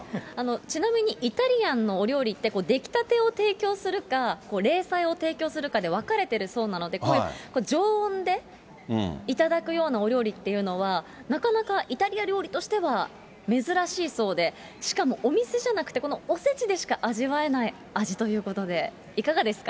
ちなみにイタリアンのお料理って、出来たてを提供するか、冷菜を提供するかで分かれているそうなので、こういう常温で頂くようなお料理っていうのは、なかなかイタリア料理としては珍しいそうで、しかもお店じゃなくて、このおせちでしか味わえない味ということで、いかがですか？